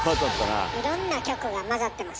いろんな局が混ざってます。